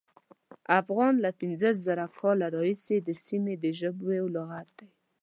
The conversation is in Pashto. افغان له پینځه زره کاله راهیسې د سیمې د ژبو لغت دی.